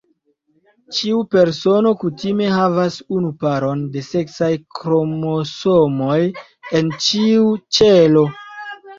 Ĉiu persono kutime havas unu paron de seksaj kromosomoj en ĉiu ĉelo.